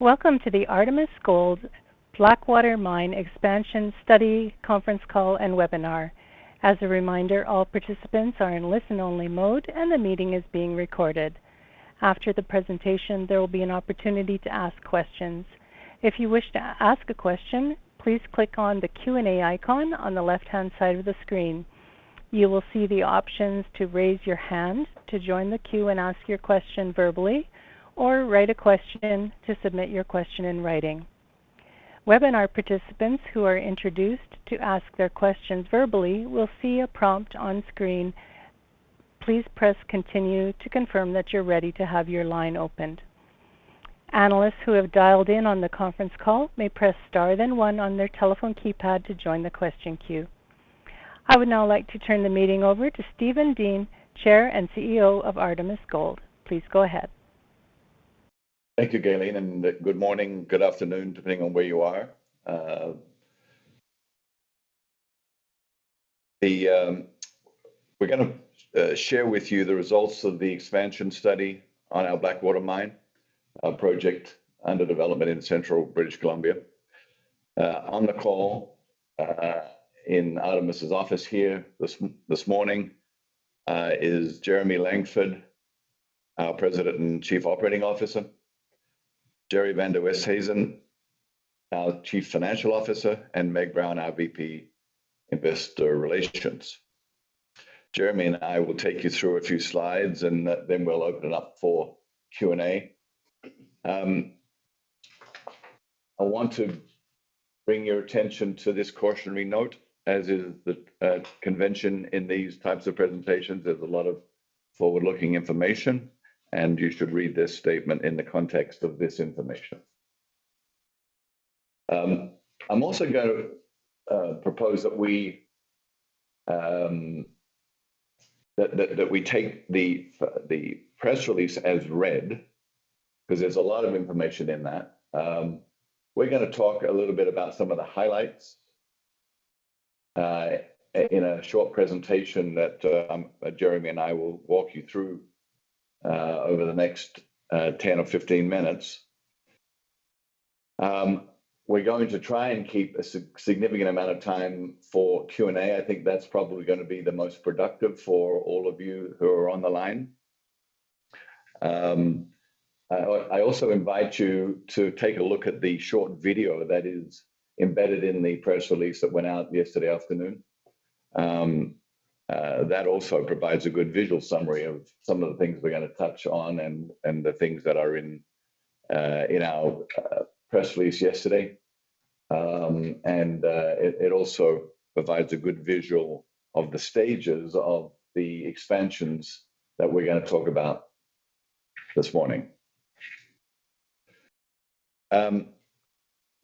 Welcome to the Artemis Gold Blackwater Mine Expansion Study conference call and webinar. As a reminder, all participants are in listen-only mode, and the meeting is being recorded. After the presentation, there will be an opportunity to ask questions. If you wish to ask a question, please click on the Q&A icon on the left-hand side of the screen. You will see the options to raise your hand to join the queue and ask your question verbally, or write a question to submit your question in writing. Webinar participants who are introduced to ask their questions verbally will see a prompt on screen. Please press continue to confirm that you're ready to have your line opened. Analysts who have dialed in on the conference call may press star, then one on their telephone keypad to join the question queue. I would now like to turn the meeting over to Steven Dean, Chair and CEO of Artemis Gold. Please go ahead. Thank you, Gaylene, and good morning, good afternoon, depending on where you are. We're gonna share with you the results of the expansion study on our Blackwater Mine, a project under development in Central British Columbia. On the call, in Artemis's office here this morning, is Jeremy Langford, our President and Chief Operating Officer, Gerrie van der Westhuizen, our Chief Financial Officer, and Meg Brown, our VP, Investor Relations. Jeremy and I will take you through a few slides, and then we'll open it up for Q&A. I want to bring your attention to this cautionary note, as is the convention in these types of presentations. There's a lot of forward-looking information, and you should read this statement in the context of this information. I'm also gonna propose that we take the press release as read, 'cause there's a lot of information in that. We're gonna talk a little bit about some of the highlights in a short presentation that Jeremy and I will walk you through over the next 10 or 15 minutes. We're going to try and keep a significant amount of time for Q&A. I think that's probably gonna be the most productive for all of you who are on the line. I also invite you to take a look at the short video that is embedded in the press release that went out yesterday afternoon. That also provides a good visual summary of some of the things we're gonna touch on and the things that are in in our press release yesterday. It also provides a good visual of the stages of the expansions that we're gonna talk about this morning.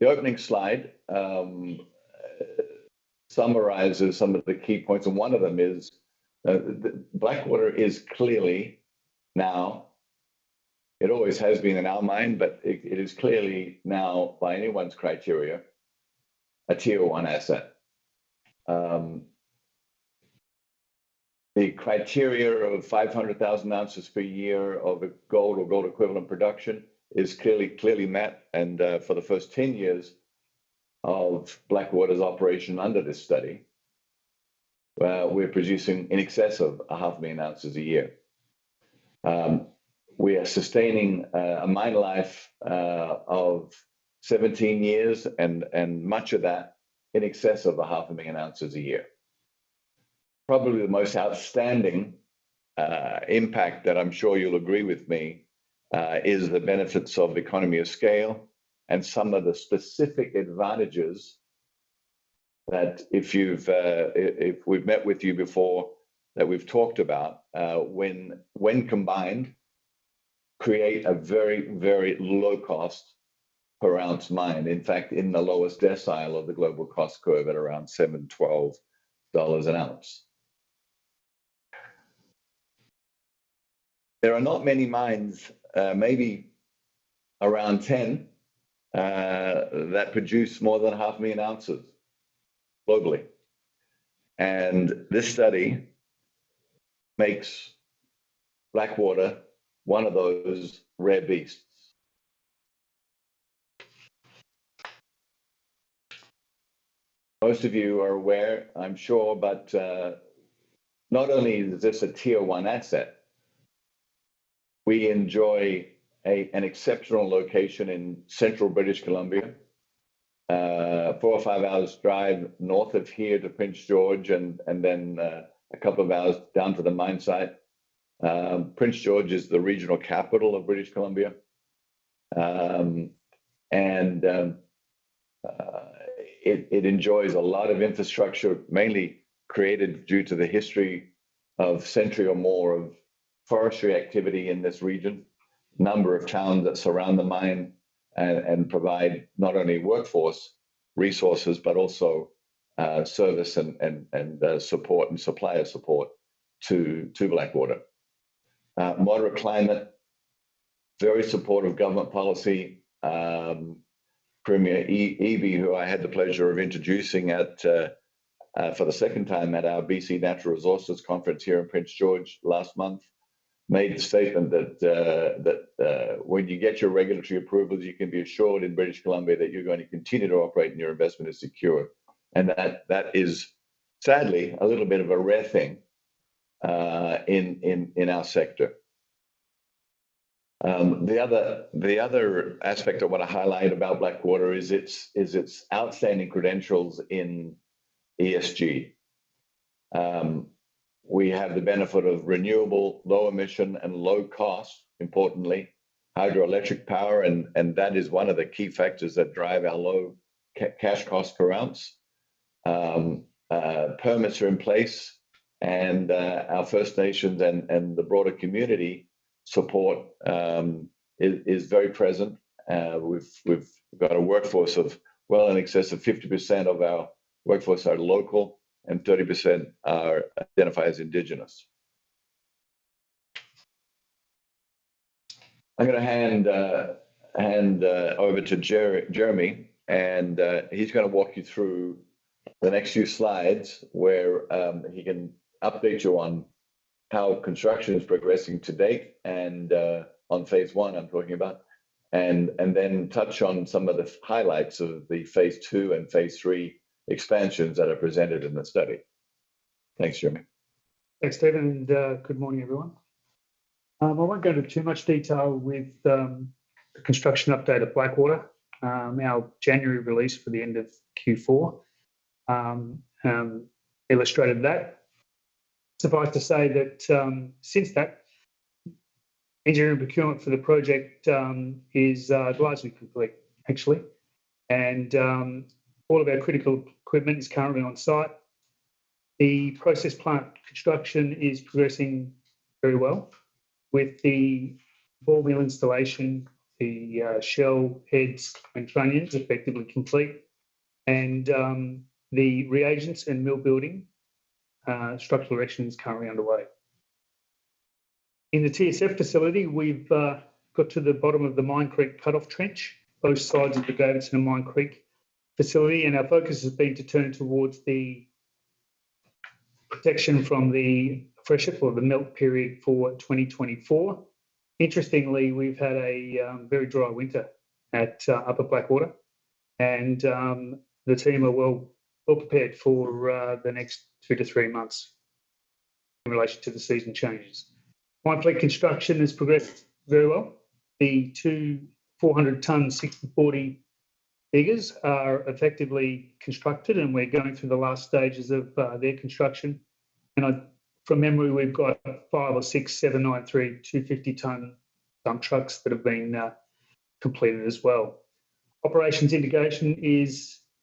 The opening slide summarizes some of the key points, and one of them is the Blackwater is clearly, now, it always has been an open mine, but it is clearly now, by anyone's criteria, a tier one asset. The criteria of 500,000 ounces per year of gold or gold equivalent production is clearly, clearly met, and for the first 10 years of Blackwater's operation under this study, we're producing in excess of 500,000 ounces a year. We are sustaining a mine life of 17 years, and much of that in excess of 500,000 ounces a year. Probably the most outstanding impact that I'm sure you'll agree with me is the benefits of economy of scale and some of the specific advantages that if you've if we've met with you before, that we've talked about when combined create a very, very low cost per ounce mine. In fact, in the lowest decile of the global cost curve at around $712 an ounce. There are not many mines, maybe around 10, that produce more than 500,000 ounces globally, and this study makes Blackwater one of those rare beasts. Most of you are aware, I'm sure, but not only is this a tier one asset, we enjoy an exceptional location in central British Columbia. Four or five hours drive north of here to Prince George, and then a couple of hours down to the mine site. Prince George is the regional capital of British Columbia, and it enjoys a lot of infrastructure, mainly created due to the history of a century or more of forestry activity in this region. A number of towns that surround the mine and provide not only workforce resources, but also service and support and supplier support to Blackwater. Moderate climate, very supportive government policy. Premier David Eby, who I had the pleasure of introducing at, for the second time at our BC Natural Resources Conference here in Prince George last month, made a statement that when you get your regulatory approvals, you can be assured in British Columbia that you're going to continue to operate and your investment is secure. And that is sadly a little bit of a rare thing in our sector. The other aspect I want to highlight about Blackwater is its outstanding credentials in ESG. We have the benefit of renewable, low emission, and low cost, importantly, hydroelectric power, and that is one of the key factors that drive our low cash cost per ounce. Permits are in place, and our First Nations and the broader community support is very present. We've got a workforce of well in excess of 50% of our workforce are local, and 30% are identified as indigenous. I'm gonna hand over to Jeremy, and he's gonna walk you through the next few slides, where he can update you on how construction is progressing to date, and on phase I I'm talking about. Then touch on some of the highlights of the phase II and phase III expansions that are presented in the study. Thanks, Jeremy. Thanks, Steve, and good morning, everyone. I won't go into too much detail with the construction update of Blackwater. Our January release for the end of Q4 illustrated that. Suffice to say that since that, engineering procurement for the project is largely complete, actually. And all of our critical equipment is currently on site. The process plant construction is progressing very well, with the ball mill installation, the shell heads and trunnions effectively complete. And the reagents and mill building structural erection is currently underway. In the TSF facility, we've got to the bottom of the Mine Creek cut-off trench, both sides of the Davidson Creek and Mine Creek facility, and our focus has been to turn towards the protection from the pressure for the melt period for 2024. Interestingly, we've had a very dry winter at Upper Blackwater, and the team are well, well prepared for the next two to three months in relation to the season changes. Mine Creek construction has progressed very well. The two 400 tons 6040 diggers are effectively constructed, and we're going through the last stages of their construction. From memory, we've got five or six 793 250 tons dump trucks that have been completed as well. Operations integration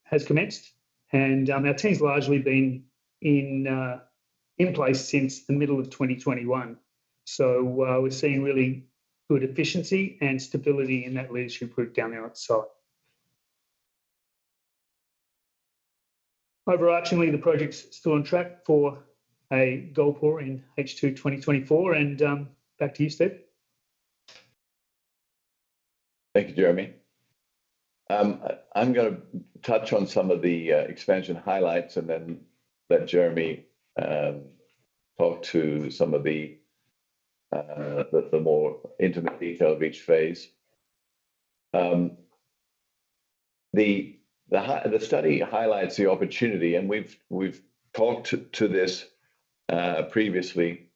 has commenced, and our team's largely been in place since the middle of 2021. So, we're seeing really good efficiency and stability in that leadership group down there on site. Overarchingly, the project's still on track for a gold pour in H2 2024, and back to you, Steve. Thank you, Jeremy. I'm gonna touch on some of the expansion highlights and then let Jeremy talk to some of the more intimate detail of each phase. The study highlights the opportunity, and we've talked to this previously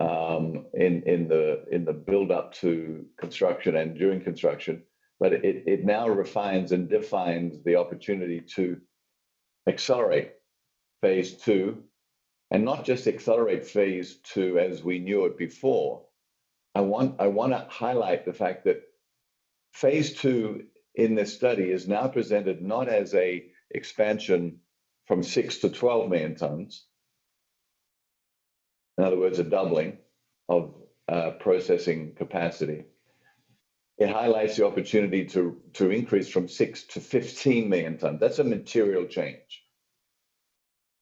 in the build-up to construction and during construction, but it now refines and defines the opportunity to accelerate phase II, and not just accelerate phase II as we knew it before. I wanna highlight the fact that phase II in this study is now presented not as a expansion from 6-12 million tons, in other words, a doubling of processing capacity. It highlights the opportunity to increase from 6-15 million tons. That's a material change,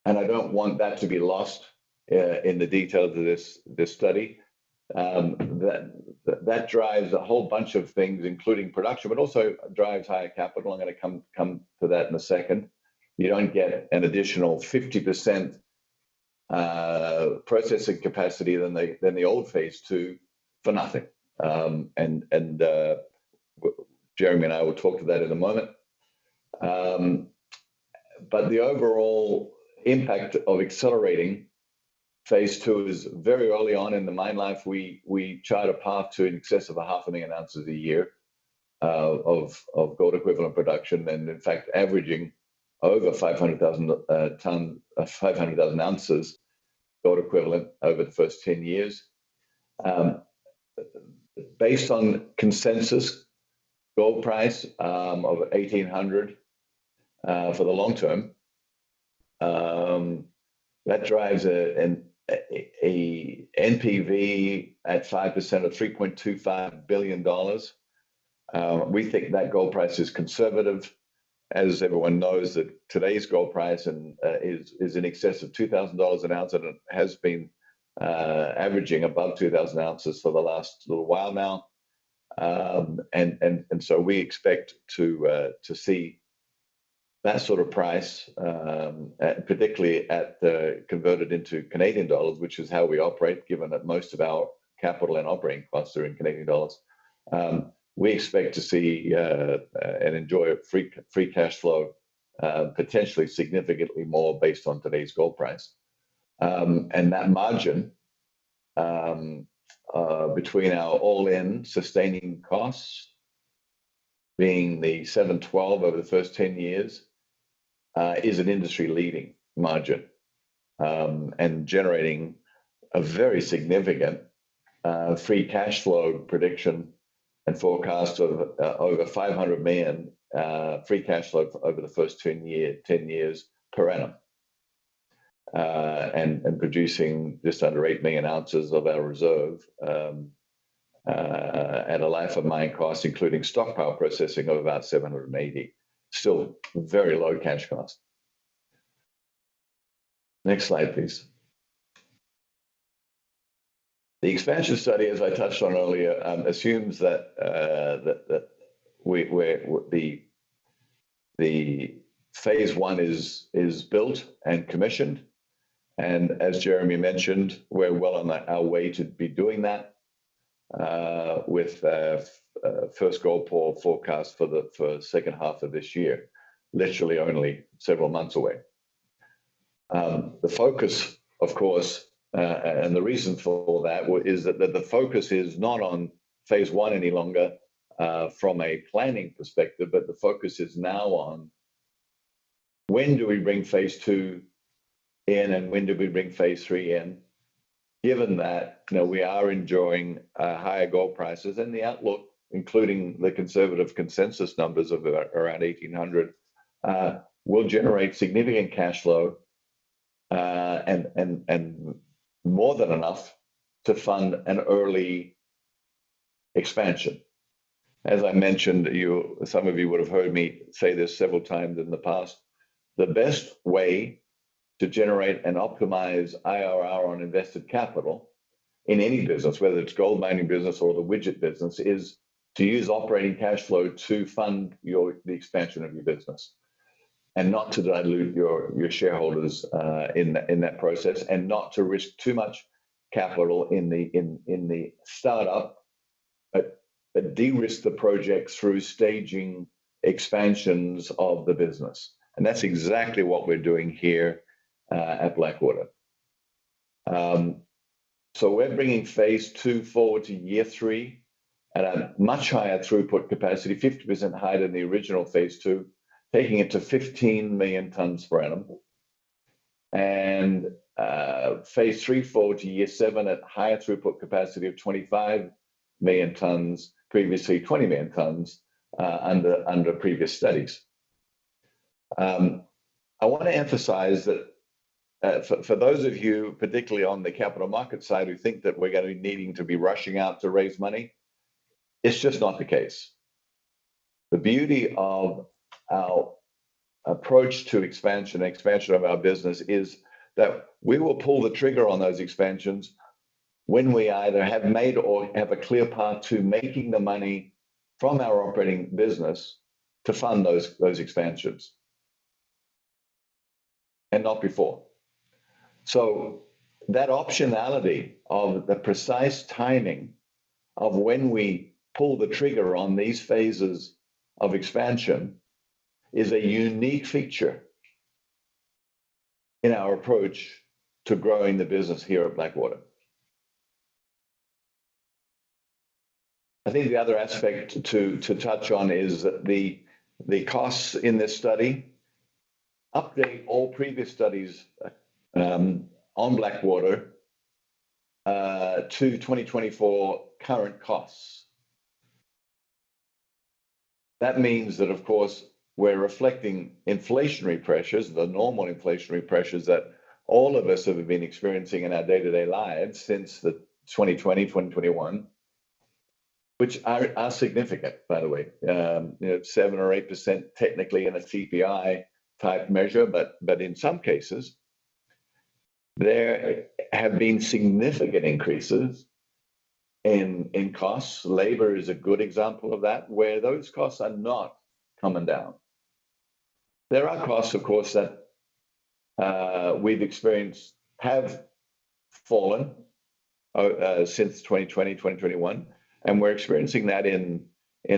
and I don't want that to be lost in the details of this study. That drives a whole bunch of things, including production, but also drives higher capital. I'm gonna come to that in a second. You don't get an additional 50% processing capacity than the old phase II for nothing. And Jeremy and I will talk to that in a moment. But the overall impact of accelerating phase II is very early on in the mine life, we chart a path to in excess of 500,000 ounces a year of gold equivalent production, and in fact, averaging over 500,000 ounces gold equivalent over the first 10 years. Based on consensus gold price of $1,800 for the long term, that drives an NPV at 5% of $3.25 billion. We think that gold price is conservative, as everyone knows, that today's gold price is in excess of $2,000 an ounce, and it has been averaging above 2,000 ounces for the last little while now. So we expect to see that sort of price, particularly at the converted into Canadian dollars, which is how we operate, given that most of our capital and operating costs are in Canadian dollars. We expect to see and enjoy a free cash flow potentially significantly more based on today's gold price. That margin between our all-in sustaining costs, being the $712 over the first 10 years, is an industry-leading margin, and generating a very significant free cash flow prediction and forecast of over $500 million free cash flow over the first 10 years per annum. And producing just under 8 million ounces of our reserve at a life of mine cost, including stockpile processing of about $780. Still very low cash cost. Next slide, please. The expansion study, as I touched on earlier, assumes that where the phase I is built and commissioned, and as Jeremy mentioned, we're well on our way to be doing that, with first gold pour forecast for second half of this year, literally only several months away. The focus, of course, and the reason for all that is that the focus is not on phase I any longer, from a planning perspective, but the focus is now on when do we bring phase II in, and when do we bring phase III in? Given that, you know, we are enjoying higher gold prices and the outlook, including the conservative consensus numbers of around $1,800, will generate significant cash flow, and more than enough to fund an early expansion. As I mentioned, you, some of you would have heard me say this several times in the past, the best way to generate and optimize IRR on invested capital in any business, whether it's gold mining business or the widget business, is to use operating cash flow to fund your, the expansion of your business, and not to dilute your, your shareholders, in, in that process, and not to risk too much capital in the, in, in the start-up, but, but de-risk the project through staging expansions of the business. And that's exactly what we're doing here, at Blackwater. So we're bringing phase II forward to year three at a much higher throughput capacity, 50% higher than the original phase II, taking it to 15 million tons per annum. Phase III forward to year seven at higher throughput capacity of 25 million tons, previously 20 million tons, under previous studies. I want to emphasize that, for those of you, particularly on the capital market side, who think that we're gonna be needing to be rushing out to raise money, it's just not the case. The beauty of our approach to expansion, expansion of our business, is that we will pull the trigger on those expansions when we either have made or have a clear path to making the money from our operating business to fund those, those expansions, and not before. So that optionality of the precise timing of when we pull the trigger on these phases of expansion is a unique feature in our approach to growing the business here at Blackwater. I think the other aspect to touch on is the costs in this study, updating all previous studies on Blackwater to 2024 current costs. That means that, of course, we're reflecting inflationary pressures, the normal inflationary pressures that all of us have been experiencing in our day-to-day lives since the 2020, 2021, which are significant, by the way. You know, 7%-8%, technically in a CPI-type measure, but in some cases, there have been significant increases in costs. Labor is a good example of that, where those costs are not coming down. There are costs, of course, that we've experienced have fallen since 2020, 2021, and we're experiencing that in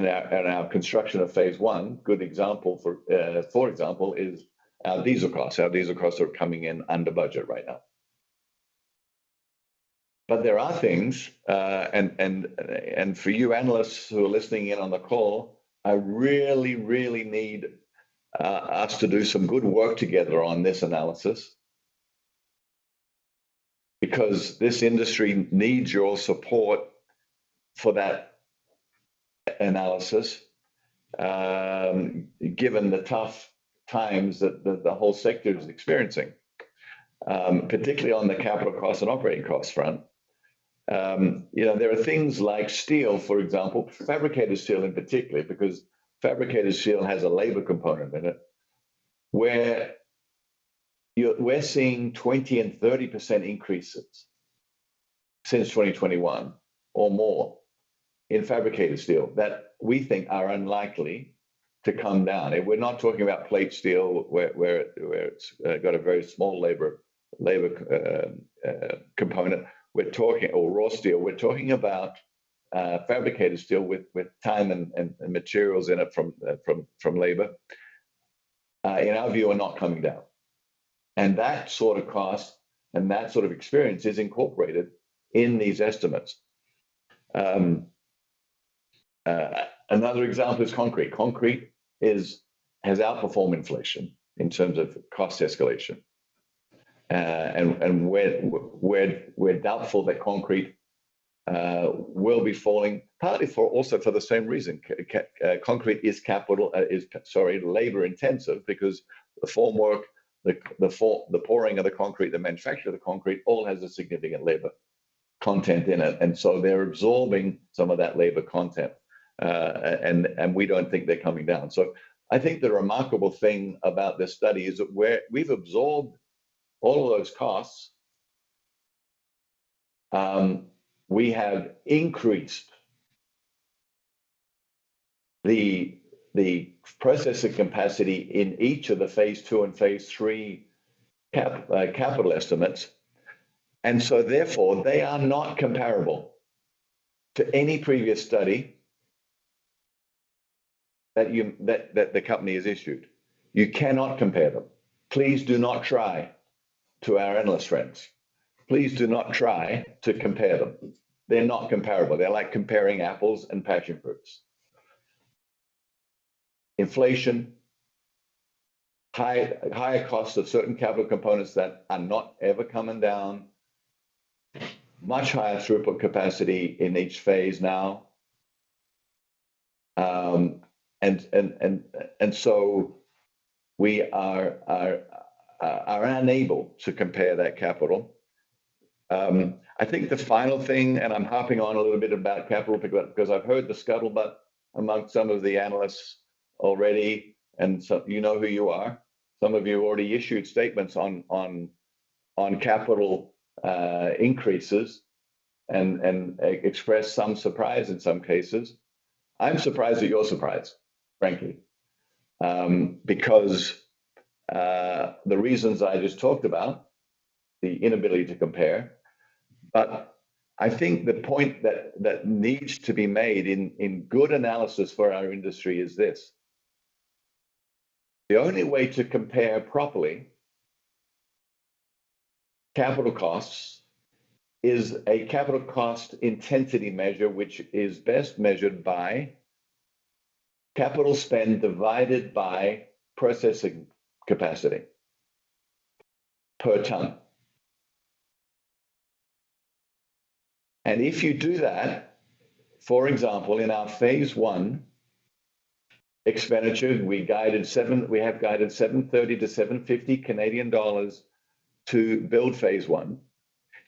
our construction of phase I. Good example, for example, is our diesel costs. Our diesel costs are coming in under budget right now. But there are things for you analysts who are listening in on the call. I really, really need us to do some good work together on this analysis, because this industry needs your support for that analysis, given the tough times that the whole sector is experiencing, particularly on the capital cost and operating cost front. You know, there are things like steel, for example, fabricated steel in particular, because fabricated steel has a labor component in it, where we're seeing 20%-30% increases since 2021 or more in fabricated steel that we think are unlikely to come down. And we're not talking about plate steel, where it's got a very small labor component. We're talking or raw steel. We're talking about fabricated steel with time and materials in it from labor, in our view, are not coming down. That sort of cost and that sort of experience is incorporated in these estimates. Another example is concrete. Concrete has outperformed inflation in terms of cost escalation. And we're doubtful that concrete will be falling, partly also for the same reason. Concrete is, sorry, labor-intensive because the form work, the pouring of the concrete, the manufacture of the concrete, all has a significant labor content in it, and so they're absorbing some of that labor content. And we don't think they're coming down. So I think the remarkable thing about this study is that we've absorbed all of those costs. We have increased the processing capacity in each of the phase II and phase III capital estimates, and so therefore, they are not comparable to any previous study that the company has issued. You cannot compare them. Please do not try to our analyst friends. Please do not try to compare them. They're not comparable. They're like comparing apples and passion fruits. Inflation, higher costs of certain capital components that are not ever coming down, much higher throughput capacity in each phase now. And so we are unable to compare that capital. I think the final thing, and I'm harping on a little bit about capital, because I've heard the scuttlebutt amongst some of the analysts already, and so you know who you are. Some of you already issued statements on capital increases and expressed some surprise in some cases. I'm surprised at your surprise, frankly, because the reasons I just talked about, the inability to compare. But I think the point that needs to be made in good analysis for our industry is this: the only way to compare properly capital costs is a capital cost intensity measure, which is best measured by capital spend divided by processing capacity per ton. And if you do that, for example, in our phase I expenditure, we have guided 730-750 Canadian dollars to build phase I.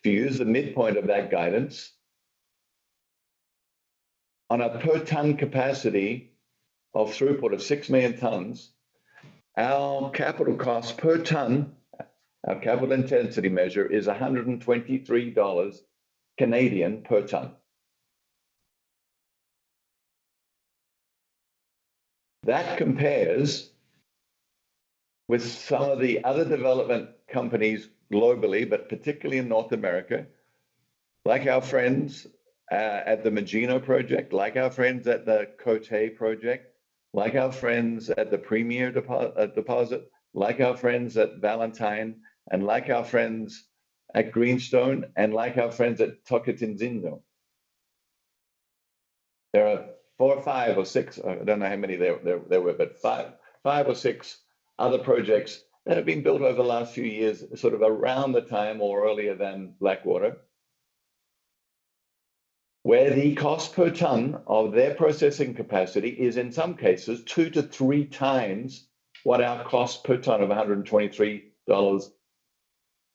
If you use the midpoint of that guidance, on a per ton capacity of throughput of 6 million tons, our capital cost per ton, our capital intensity measure is 123 Canadian dollars per ton. That compares with some of the other development companies globally, but particularly in North America, like our friends at the Magino project, like our friends at the Côté project, like our friends at the Premier Deposit, like our friends at Valentine, and like our friends at Greenstone, and like our friends at Tocantinzinho. There are four, five, or six, I don't know how many there were, but five or six other projects that have been built over the last few years, sort of around the time or earlier than Blackwater, where the cost per ton of their processing capacity is, in some cases, two to three times what our cost per ton of 123 dollars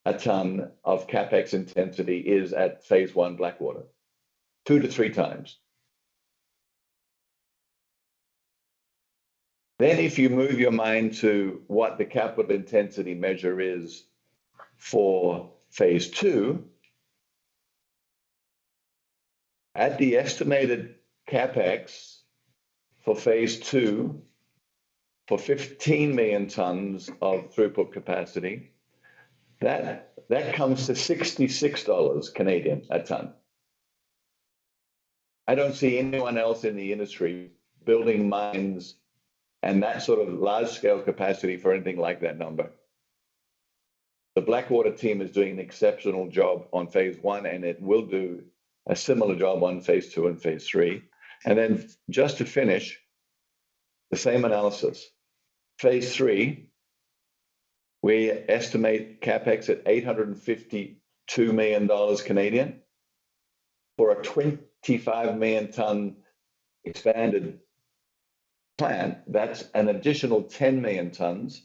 a ton of CapEx intensity is at phase I, Blackwater, two to three times. Then if you move your mind to what the capital intensity measure is for phase II, at the estimated CapEx for phase II, for 15 million tons of throughput capacity, that comes to 66 dollars a ton. I don't see anyone else in the industry building mines and that sort of large-scale capacity for anything like that number. The Blackwater team is doing an exceptional job on phase I, and it will do a similar job on phase II and phase III. Then just to finish, the same analysis, phase III, we estimate CapEx at 852 million Canadian dollars for a 25 million ton expanded plant, that's an additional 10 million tons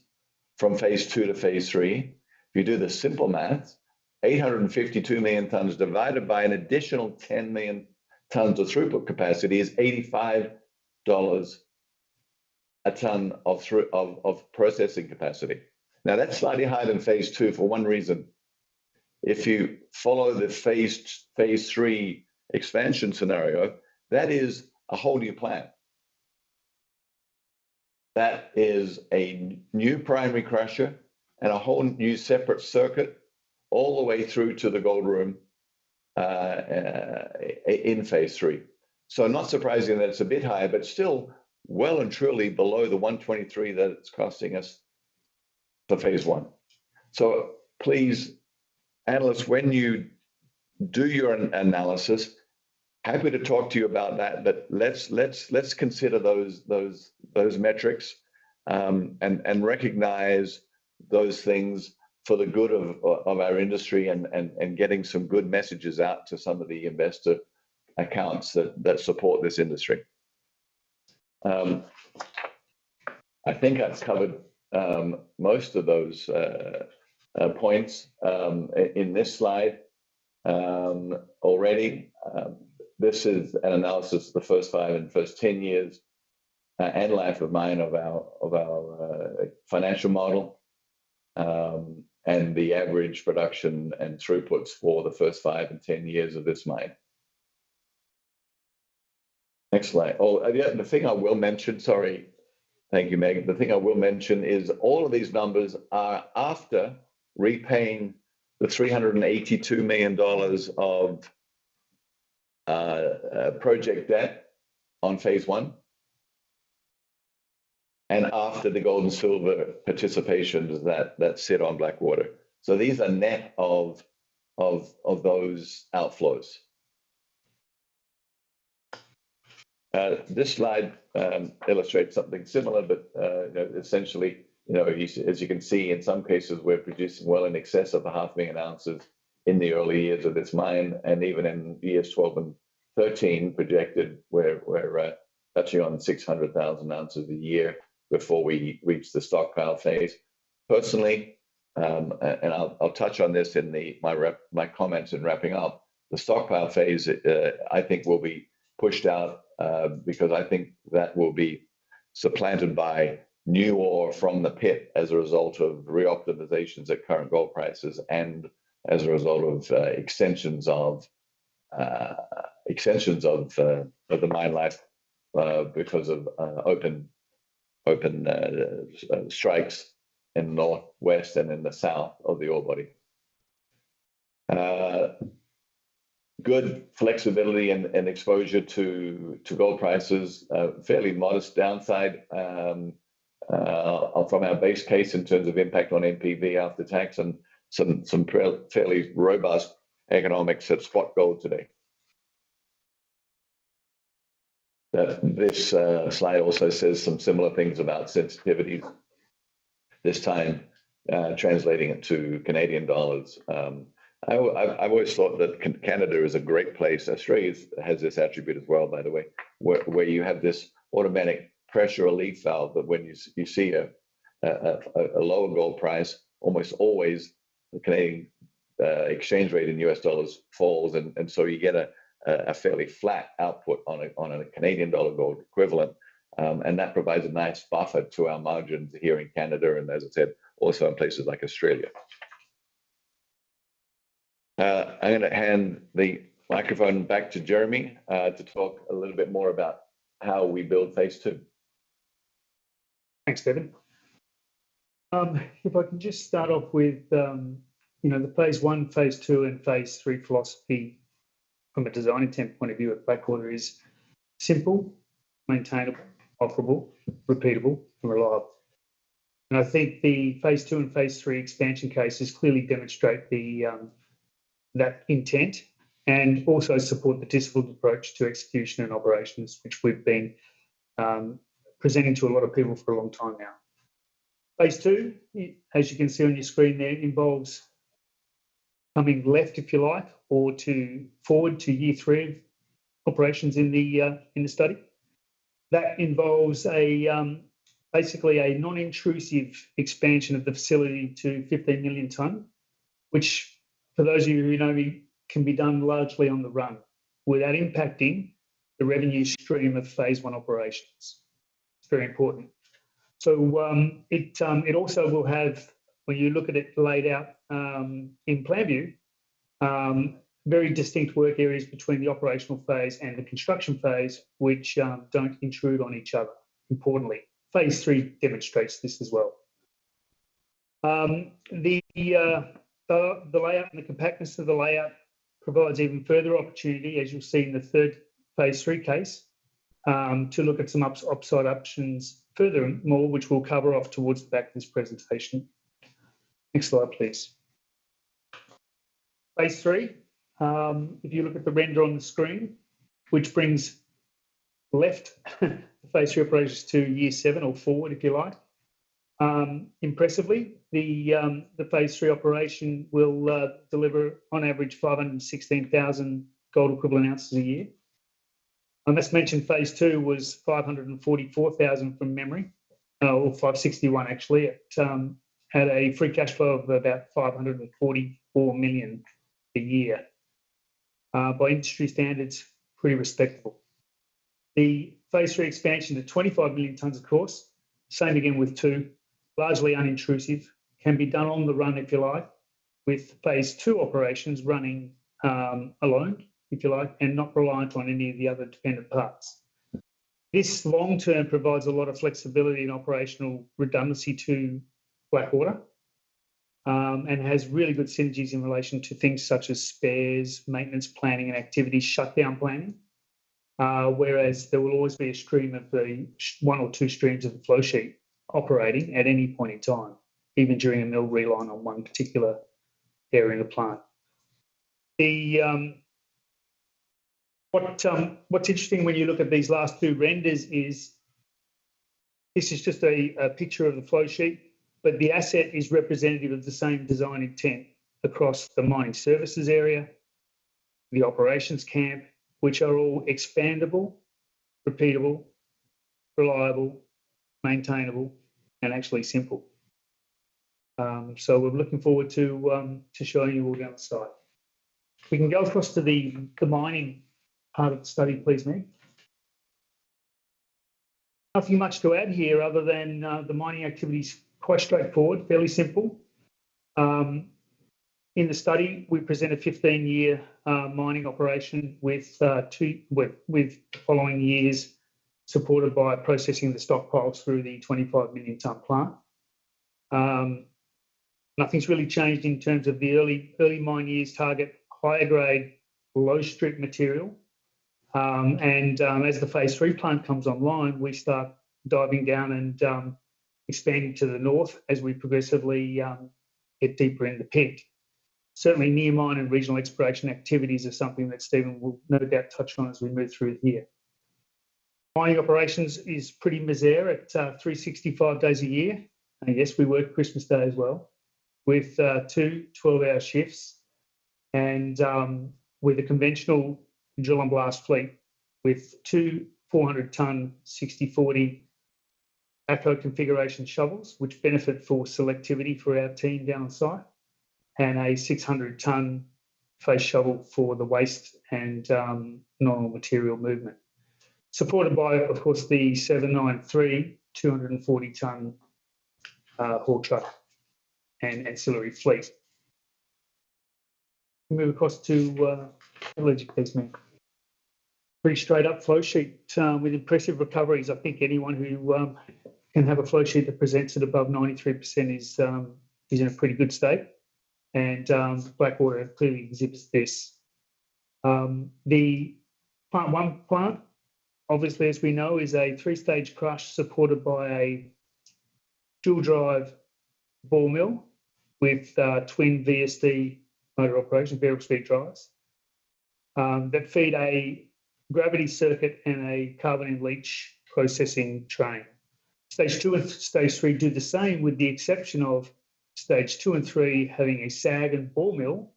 from phase II to phase III. If you do the simple math, 852 million tons divided by an additional 10 million tons of throughput capacity is 85 dollars a ton of throughput of processing capacity. Now, that's slightly higher than phase II for one reason. If you follow the phase III expansion scenario, that is a whole new plant. That is a new primary crusher and a whole new separate circuit all the way through to the gold room in phase III. So not surprising that it's a bit higher, but still well and truly below the 123 that it's costing us for phase I. So please, analysts, when you do your analysis, happy to talk to you about that, but let's consider those metrics, and recognize those things for the good of our industry and getting some good messages out to some of the investor accounts that support this industry. I think I've covered most of those points in this slide already. This is an analysis of the first five and first 10 years, and life of mine, of our financial model, and the average production and throughputs for the first five and 10 years of this mine. Next slide. Oh, and the other thing I will mention, sorry. Thank you, Megan. The thing I will mention is all of these numbers are after repaying the 382 million dollars of project debt on phase I. And after the gold and silver participation that sit on Blackwater. So these are net of those outflows. This slide illustrates something similar, but essentially, you know, as you can see, in some cases, we're producing well in excess of 500,000 ounces in the early years of this mine, and even in years 12 and 13, projected, we're actually on 600,000 ounces a year before we reach the stockpile phase. Personally, and I'll touch on this in my wrap-up comments in wrapping up. The stockpile phase, I think will be pushed out, because I think that will be supplanted by new ore from the pit as a result of reoptimizations at current gold prices and as a result of extensions of the mine life, because of open strikes in the northwest and in the south of the ore body. Good flexibility and exposure to gold prices, fairly modest downside from our base case in terms of impact on NPV after tax, and some fairly robust economics at spot gold today. This slide also says some similar things about sensitivity, this time translating it to Canadian dollars. I've always thought that Canada is a great place. Australia has this attribute as well, by the way, where you have this automatic pressure relief valve, that when you see a lower gold price, almost always the Canadian exchange rate in US dollars falls, and so you get a fairly flat output on a Canadian dollar gold equivalent. And that provides a nice buffer to our margins here in Canada, and as I said, also in places like Australia. I'm gonna hand the microphone back to Jeremy to talk a little bit more about how we build phase II. Thanks, Steven. If I can just start off with, you know, the phase I, phase II, and phase III philosophy from a design intent point of view at Blackwater is simple, maintainable, operable, repeatable, and reliable. I think the phase II and phase III expansion cases clearly demonstrate that intent and also support the disciplined approach to execution and operations, which we've been presenting to a lot of people for a long time now. Phase II, as you can see on your screen there, involves coming left, if you like, or to forward to year three of operations in the study. That involves basically a non-intrusive expansion of the facility to 15 million ton, which for those of you who know, can be done largely on the run without impacting the revenue stream of phase I operations. It's very important. So, it also will have, when you look at it laid out, in plain view, very distinct work areas between the operational phase and the construction phase, which don't intrude on each other, importantly. phase III demonstrates this as well. The layout and the compactness of the layout provides even further opportunity, as you'll see in the third phase III case, to look at some upside options furthermore, which we'll cover off towards the back of this presentation. Next slide, please. Phase III, if you look at the render on the screen, which brings left, phase III approaches to year seven or forward, if you like. Impressively, the phase III operation will deliver on average 516,000 gold equivalent ounces a year. I must mention, phase II was 544,000 from memory, or 561,000 actually. It had a free cash flow of about $544 million a year. By industry standards, pretty respectable. The phase III expansion to 25 million tons, of course, same again, with two, largely unintrusive, can be done on the run, if you like, with phase II operations running, alone, if you like, and not reliant on any of the other dependent parts. This long term provides a lot of flexibility and operational redundancy to Blackwater, and has really good synergies in relation to things such as spares, maintenance, planning and activity, shutdown planning. Whereas there will always be a stream of one or two streams of the flow sheet operating at any point in time, even during a mill reline on one particular area in the plant. The, what's interesting when you look at these last two renders is, this is just a picture of the flow sheet, but the asset is representative of the same design intent across the mine services area, the operations camp, which are all expandable, repeatable, reliable, maintainable, and actually simple. So we're looking forward to showing you all down the site. We can go across to the mining part of the study, please, mate. Not much to add here other than the mining activity's quite straightforward, fairly simple. In the study, we present a 15-year mining operation with the following years, supported by processing the stockpiles through the 25 million ton plant. Nothing's really changed in terms of the early, early mine years. Target, higher grade, low strip material. And as the phase III plant comes online, we start diving down and expanding to the north as we progressively get deeper in the pit. Certainly, near mine and regional exploration activities are something that Steven will no doubt touch on as we move through the year. Mining operations is pretty [miserable] at 365 days a year, and yes, we work Christmas Day as well, with two 12-hour shifts and with a conventional drill and blast fleet, with two 400 ton, 6040 upload configuration shovels, which benefit for selectivity for our team onsite, and a 600 ton face shovel for the waste and normal material movement. Supported by, of course, the 793, 240 ton haul truck, and ancillary fleet. Move across to, please, mate. Pretty straight up flow sheet with impressive recoveries. I think anyone who can have a flow sheet that presents at above 93% is in a pretty good state, and Blackwater clearly exhibits this. The phase I plant, obviously, as we know, is a three-stage crush, supported by a dual drive ball mill, with twin VSD motor operation, variable speed drives, that feed a gravity circuit and a carbon-in-leach processing train. phase II and phase III do the same, with the exception of phase II and phase III having a SAG and ball mill,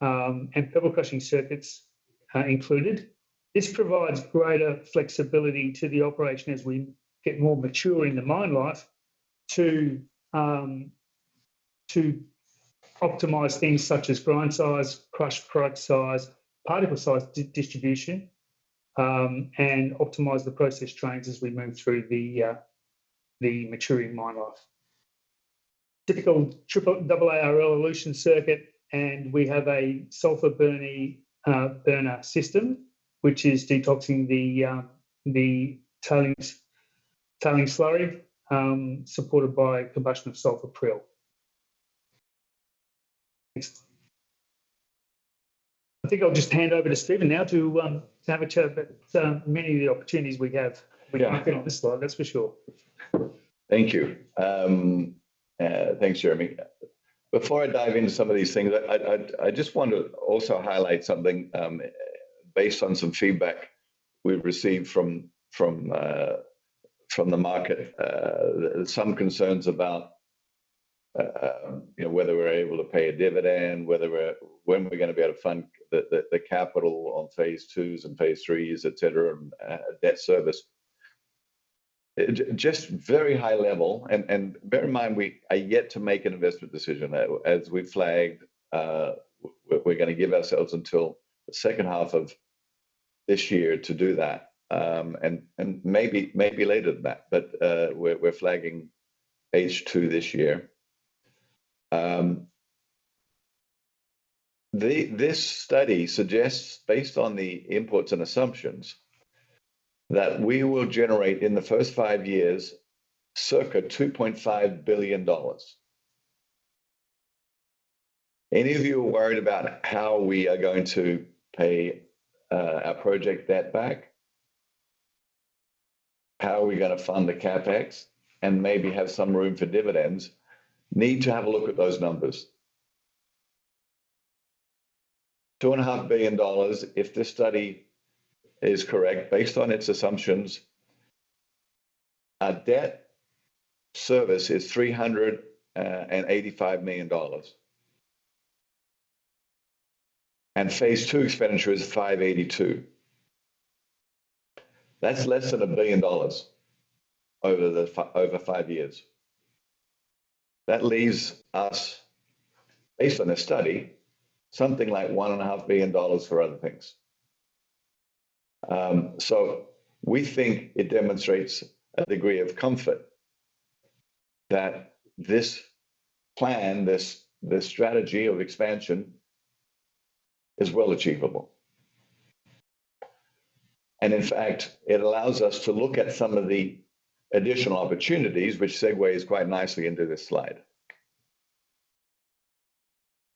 and pebble crushing circuits included. This provides greater flexibility to the operation as we get more mature in the mine life to optimize things such as grind size, crush, product size, particle size distribution, and optimize the process trains as we move through the maturing mine life. Typical AARL elution circuit, and we have a sulfur burning burner system, which is detoxing the tailings slurry, supported by combustion of sulfur prill. Next. I think I'll just hand over to Steven now to have a chat about many of the opportunities we have- Yeah. On this slide, that's for sure. Thank you. Thanks, Jeremy. Before I dive into some of these things, I just want to also highlight something, based on some feedback we've received from the market. Some concerns about, you know, whether we're able to pay a dividend, whether we're, when are we gonna be able to fund the capital on phase IIs and phase IIIs, et cetera, debt service. Just very high level, and bear in mind, we are yet to make an investment decision. As we've flagged, we're gonna give ourselves until the second half of this year to do that, and maybe later than that. But, we're flagging H2 this year. This study suggests, based on the inputs and assumptions, that we will generate, in the first five years, circa $2.5 billion. Any of you worried about how we are going to pay our project debt back, how are we gonna fund the CapEx, and maybe have some room for dividends, need to have a look at those numbers. $2.5 billion, if this study is correct, based on its assumptions, our debt service is $385 million. Phase II expenditure is $582 million. That's less than $1 billion over the five years. That leaves us, based on this study, something like $1.5 billion for other things. So we think it demonstrates a degree of comfort that this plan, this strategy of expansion, is well achievable. And in fact, it allows us to look at some of the additional opportunities, which segues quite nicely into this slide.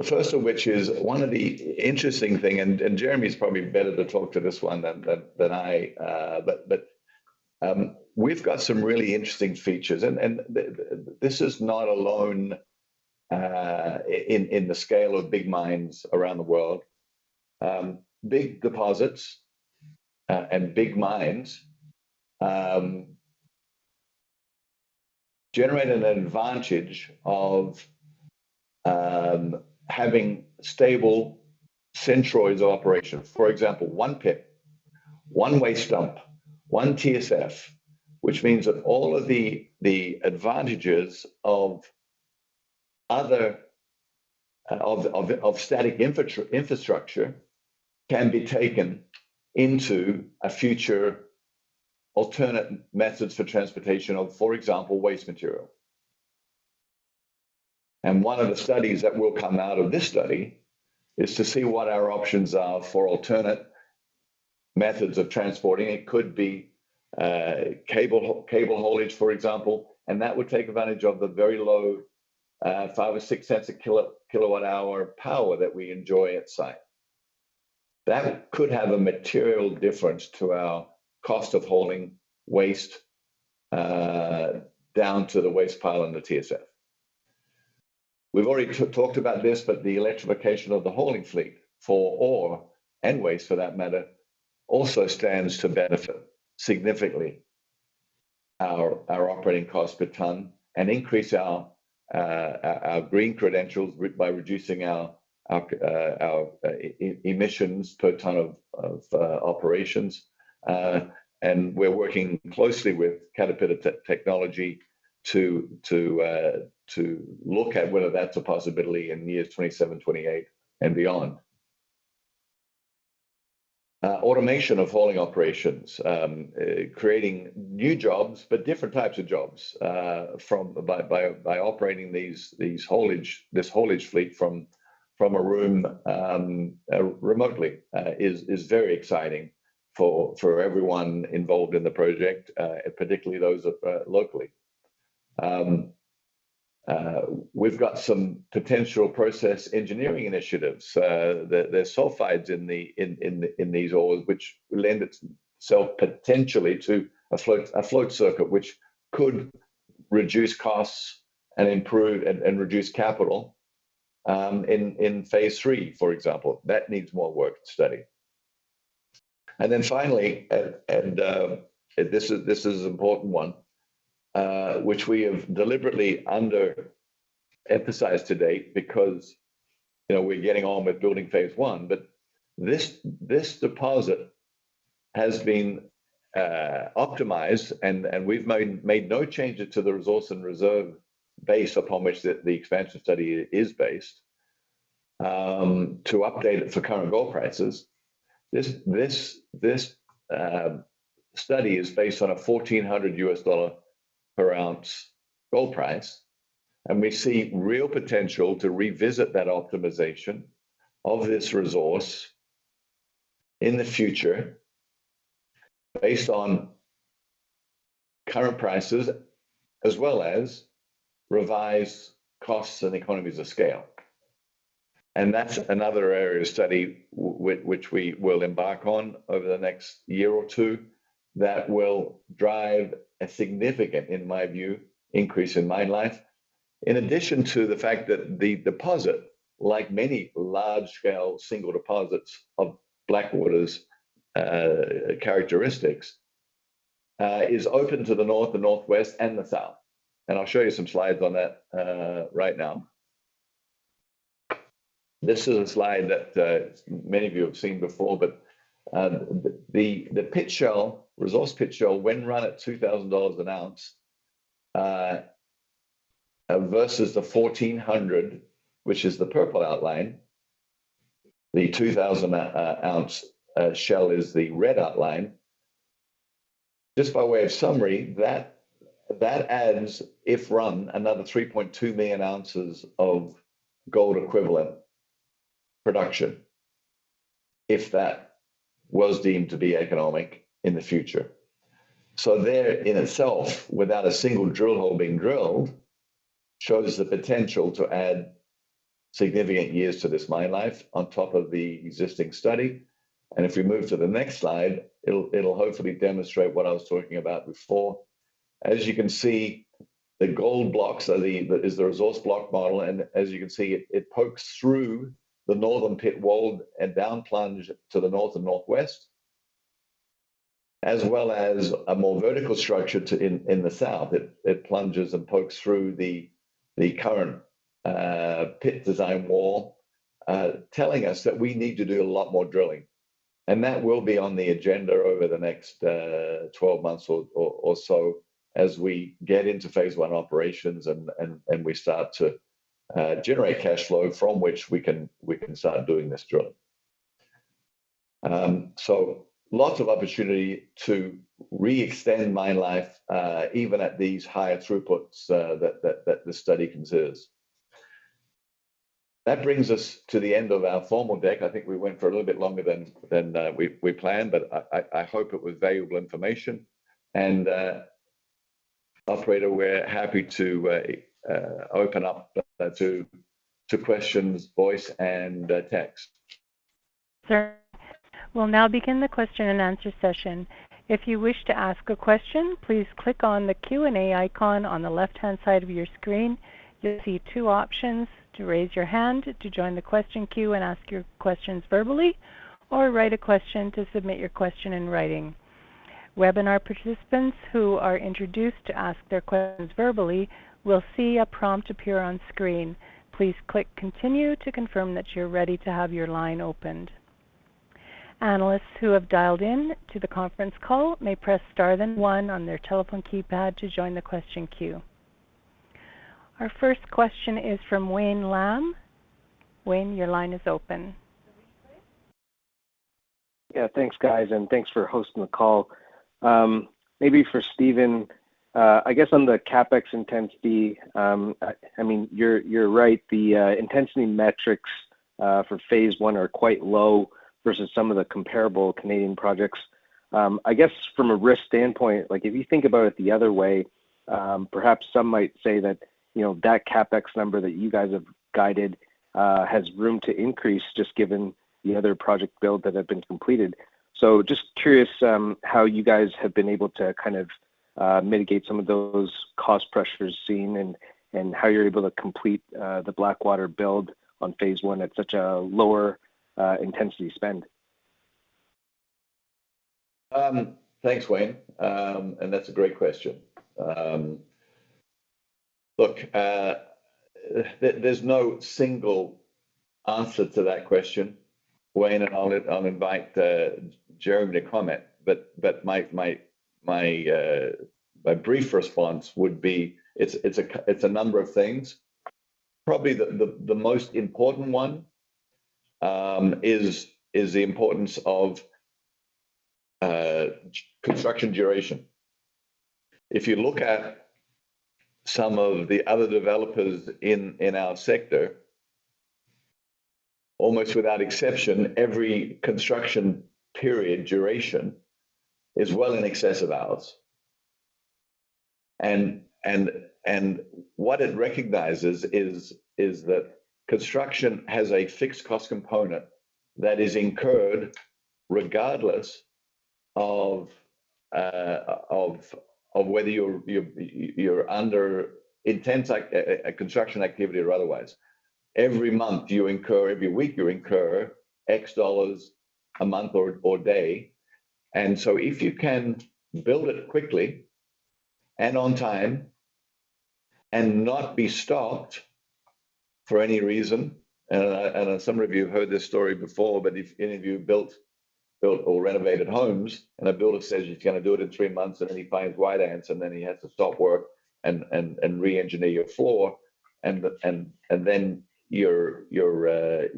The first of which is one of the interesting thing, and Jeremy is probably better to talk to this one than I. But we've got some really interesting features, and this is not alone in the scale of big mines around the world. Big deposits and big mines generate an advantage of having stable centralized operation. For example, one pit, one waste dump, one TSF, which means that all of the advantages of other static infrastructure can be taken into future alternate methods for transportation of, for example, waste material. One of the studies that will come out of this study is to see what our options are for alternate methods of transporting. It could be cable haulage, for example, and that would take advantage of the very low 0.05-0.06/kWh power that we enjoy at site. That could have a material difference to our cost of hauling waste down to the waste pile and the TSF. We've already talked about this, but the electrification of the hauling fleet for ore, and waste for that matter, also stands to benefit significantly our operating cost per ton and increase our green credentials by reducing our emissions per ton of operations. And we're working closely with Caterpillar Technology to look at whether that's a possibility in years 2027, 2028, and beyond. Automation of hauling operations, creating new jobs, but different types of jobs, by operating this haulage fleet from a room remotely, is very exciting for everyone involved in the project, particularly those locally. We've got some potential process engineering initiatives. There's sulfides in these ores, which lend itself potentially to a float circuit, which could reduce costs and improve and reduce capital in phase III, for example. That needs more work to study. And then finally, this is an important one, which we have deliberately underemphasized to date because, you know, we're getting on with building phase I, but this deposit has been optimized, and we've made no changes to the resource and reserve base upon which the expansion study is based, to update it for current gold prices. This study is based on a $1,400 per ounce gold price, and we see real potential to revisit that optimization of this resource in the future based on current prices, as well as revise costs and economies of scale. And that's another area of study which we will embark on over the next year or two, that will drive a significant, in my view, increase in mine life. In addition to the fact that the deposit, like many large-scale single deposits of Blackwater's characteristics, is open to the north, the northwest, and the south. And I'll show you some slides on that, right now. This is a slide that, many of you have seen before, but, the pit shell, resource pit shell, when run at $2,000 an ounce, versus the 1,400, which is the purple outline, the 2,000-ounce shell is the red outline. Just by way of summary, that adds, if run, another 3.2 million ounces of gold equivalent production, if that was deemed to be economic in the future. So there in itself, without a single drill hole being drilled, shows the potential to add significant years to this mine life on top of the existing study. And if we move to the next slide, it'll hopefully demonstrate what I was talking about before. As you can see, the gold blocks are, that is the resource block model, and as you can see, it pokes through the northern pit wall and down plunge to the north and northwest, as well as a more vertical structure to in the south. It plunges and pokes through the current pit design wall, telling us that we need to do a lot more drilling. And that will be on the agenda over the next 12 months or so as we get into phase I operations and we start to generate cash flow, from which we can start doing this drilling. So lots of opportunity to re-extend mine life, even at these higher throughputs, that the study considers. That brings us to the end of our formal deck. I think we went for a little bit longer than we planned, but I hope it was valuable information. And, operator, we're happy to open up to questions, voice, and text. Sure. We'll now begin the question and answer session. If you wish to ask a question, please click on the Q&A icon on the left-hand side of your screen. You'll see two options: to raise your hand to join the question queue and ask your questions verbally, or write a question to submit your question in writing. Webinar participants who are introduced to ask their questions verbally will see a prompt appear on screen. Please click continue to confirm that you're ready to have your line opened. Analysts who have dialed in to the conference call may press star then one on their telephone keypad to join the question queue. Our first question is from Wayne Lam. Wayne, your line is open. Yeah, thanks, guys, and thanks for hosting the call. Maybe for Steven, I guess on the CapEx intensity, I mean, you're, you're right, the intensity metrics for phase I are quite low versus some of the comparable Canadian projects. I guess from a risk standpoint, like if you think about it the other way, perhaps some might say that, you know, that CapEx number that you guys have guided has room to increase, just given the other project build that have been completed. So just curious, how you guys have been able to kind of mitigate some of those cost pressures seen and how you're able to complete the Blackwater build on phase I at such a lower intensity spend. Thanks, Wayne. That's a great question. Look, there's no single answer to that question, Wayne, and I'll invite Jeremy to comment. But my brief response would be, it's a number of things. Probably the most important one is the importance of construction duration. If you look at some of the other developers in our sector, almost without exception, every construction period duration is well in excess of ours. And what it recognizes is that construction has a fixed cost component that is incurred regardless of whether you're under intense like a construction activity or otherwise. Every month, you incur every week, you incur X dollars a month or day. And so if you can build it quickly and on time and not be stopped for any reason, and some of you have heard this story before, but if any of you built or renovated homes, and a builder says he's gonna do it in three months, and then he finds white ants, and then he has to stop work and re-engineer your floor, and then your, your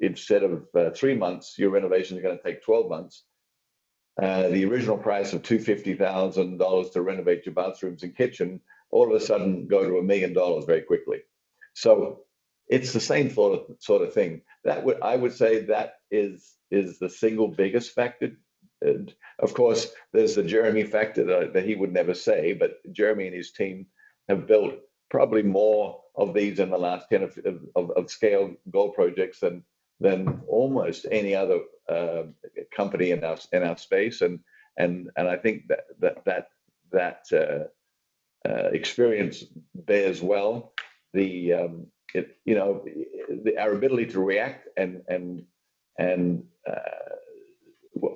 instead of three months, your renovation is gonna take 12 months. The original price of $250,000 to renovate your bathrooms and kitchen, all of a sudden go to $1 million very quickly. So it's the same sort of thing. That would- I would say that is the single biggest factor. Of course, there's the Jeremy factor that he would never say, but Jeremy and his team have built probably more of these in the last 10 of scale gold projects than almost any other company in our space. I think that experience bears well. You know, our ability to react and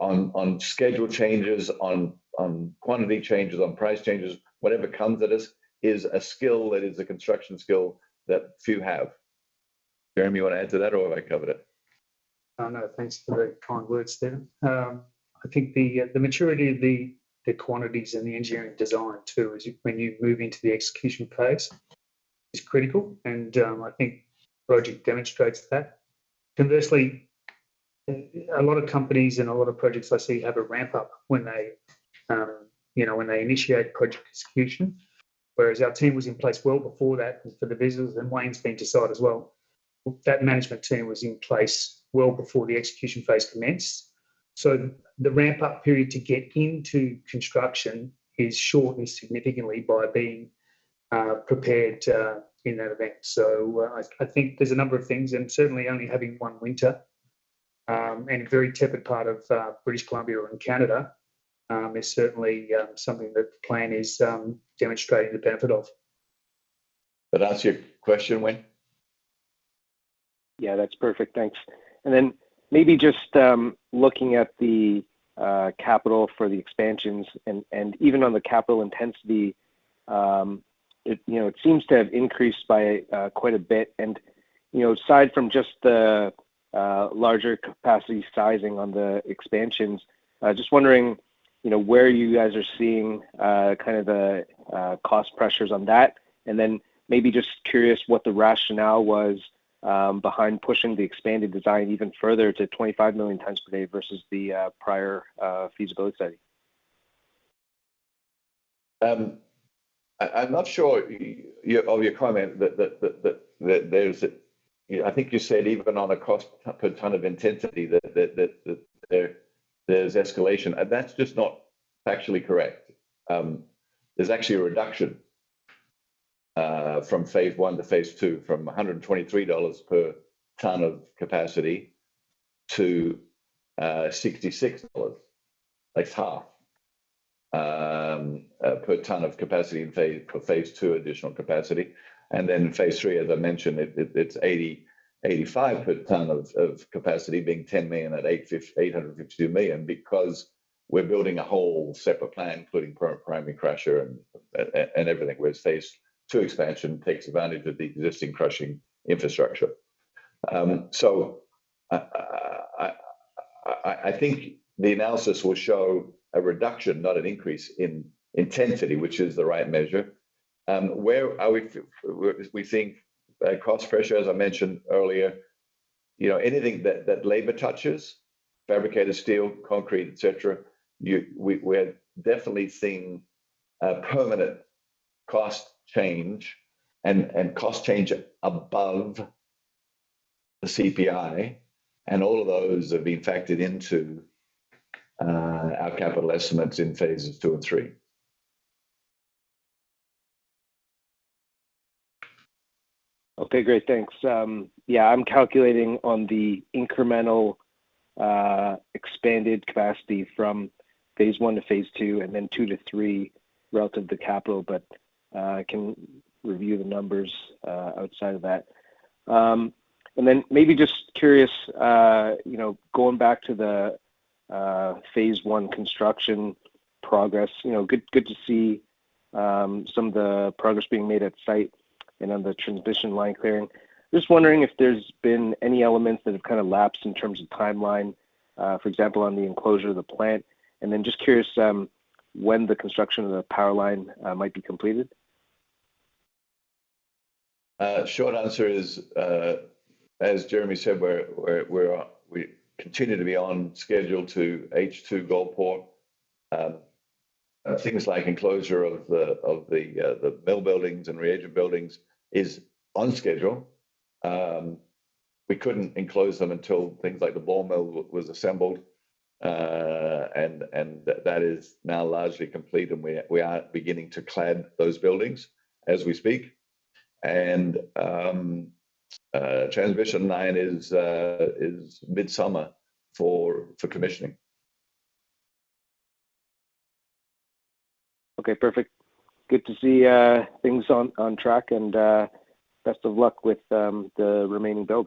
on schedule changes, on quantity changes, on price changes, whatever comes at us, is a skill that is a construction skill that few have. Jeremy, you want to add to that, or have I covered it? No, thanks for the kind words, Steven. I think the maturity of the quantities and the engineering design too is, when you move into the execution phase, critical, and I think the project demonstrates that. Conversely, a lot of companies and a lot of projects I see have a ramp up when they, you know, when they initiate project execution. Whereas our team was in place well before that, for the visuals and Wayne's been to site as well. That management team was in place well before the execution phase commenced. So the ramp-up period to get into construction is shortened significantly by being prepared in that event. So I think there's a number of things, and certainly only having one winter-... A very tepid part of British Columbia and Canada is certainly something that the plan is demonstrating the benefit of. Did that answer your question, Wayne? Yeah, that's perfect. Thanks. And then maybe just looking at the capital for the expansions and even on the capital intensity, it, you know, it seems to have increased by quite a bit. And, you know, aside from just the larger capacity sizing on the expansions, just wondering, you know, where you guys are seeing kind of the cost pressures on that? And then maybe just curious what the rationale was behind pushing the expanded design even further to 25 million tons per day versus the prior feasibility study. I'm not sure of your comment that there's—I think you said even on a cost per ton of intensity, that there's escalation, and that's just not factually correct. There's actually a reduction from phase I to phase II, from 123 dollars per ton of capacity to 66 dollars. That's half per ton of capacity for phase II additional capacity. And then phase III, as I mentioned, it's 85 per ton of capacity, being 10 million at 852 million, because we're building a whole separate plant, including primary crusher and everything, where phase II expansion takes advantage of the existing crushing infrastructure. So, I think the analysis will show a reduction, not an increase in intensity, which is the right measure. Where are we seeing a cost pressure, as I mentioned earlier, you know, anything that labor touches, fabricated steel, concrete, et cetera, we're definitely seeing a permanent cost change and cost change above the CPI, and all of those have been factored into our capital estimates in phases II and III. Okay, great. Thanks. Yeah, I'm calculating on the incremental expanded capacity from phase I to phase II, and then II to III, relative to capital, but I can review the numbers outside of that. And then maybe just curious, you know, going back to the phase I construction progress, you know, good, good to see some of the progress being made at site and on the transmission line clearing. Just wondering if there's been any elements that have kind of lapsed in terms of timeline, for example, on the enclosure of the plant. And then just curious, when the construction of the power line might be completed? Short answer is, as Jeremy said, we continue to be on schedule to H2 gold pour. Things like enclosure of the mill buildings and reagent buildings is on schedule. We couldn't enclose them until things like the ball mill was assembled, and that is now largely complete, and we are beginning to clad those buildings as we speak. And transmission line is midsummer for commissioning. Okay, perfect. Good to see things on track, and best of luck with the remaining build.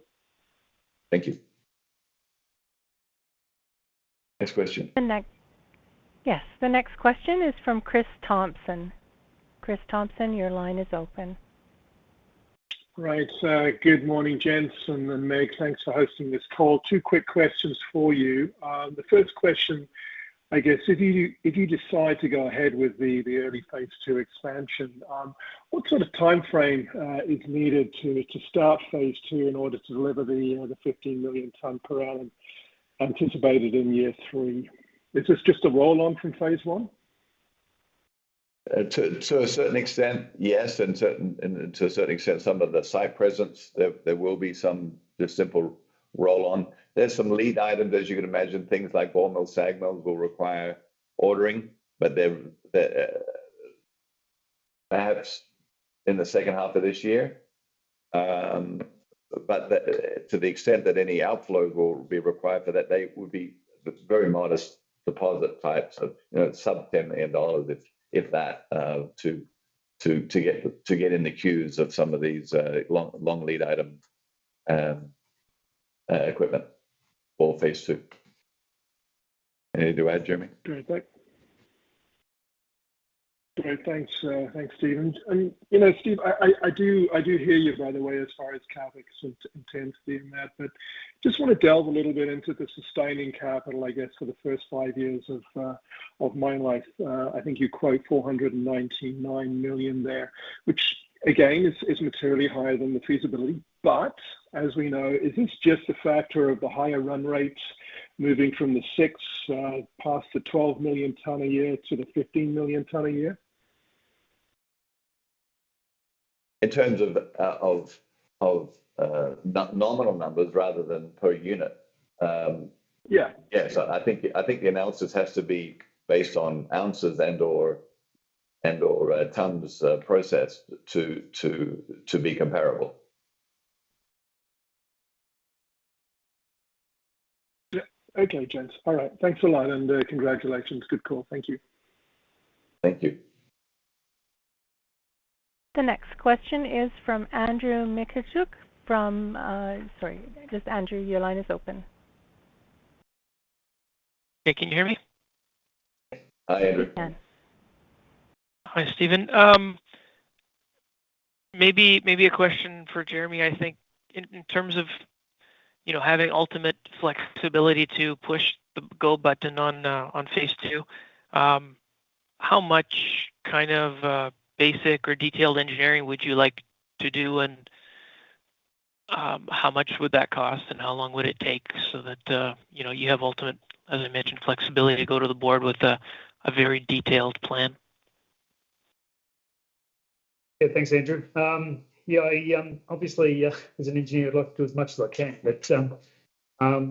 Thank you. Next question. The next question is from Chris Thompson. Chris Thompson, your line is open. Great. Good morning, gents, and then Meg, thanks for hosting this call. Two quick questions for you. The first question, I guess, if you, if you decide to go ahead with the, the early phase II expansion, what sort of timeframe is needed to, to start phase II in order to deliver the, the 15 million ton per hour anticipated in year three? Is this just a roll-on from phase I? To a certain extent, yes, and to a certain extent, some of the site presence there will be some just simple roll-on. There's some lead items, as you can imagine, things like Ball Mill, SAG mills will require ordering, but they're perhaps in the second half of this year. But to the extent that any outflow will be required for that, they would be very modest deposit types of, you know, sub 10 million dollars, if that, to get in the queues of some of these long lead item equipment for phase II. Anything to add, Jeremy? Great, thanks. Thanks, Steve. And, you know, Steve, I do hear you, by the way, as far as capital intensity and that, but just wanna delve a little bit into the sustaining capital, I guess, for the first five years of mine life. I think you quote 499 million there, which again, is materially higher than the feasibility. But as we know, is this just a factor of the higher run rates moving from the six past the 12 million ton a year to the 15 million ton a year? In terms of nominal numbers rather than per unit. Yeah. Yes, I think the analysis has to be based on ounces and/or and or tons processed to be comparable? Yeah. Okay, gents. All right. Thanks a lot, and congratulations. Good call. Thank you. Thank you. The next question is from Andrew Mikitchook from, sorry, just Andrew, your line is open. Hey, can you hear me? Hi, Andrew. Yes. Hi, Steven. Maybe, maybe a question for Jeremy, I think. In terms of, you know, having ultimate flexibility to push the go button on phase II, how much kind of basic or detailed engineering would you like to do? And, how much would that cost, and how long would it take so that, you know, you have ultimate, as I mentioned, flexibility to go to the board with a very detailed plan? Yeah, thanks, Andrew. Yeah, I obviously as an engineer, I'd like to do as much as I can. But